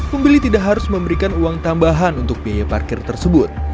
pembeli tidak harus memberikan uang tambahan untuk biaya parkir tersebut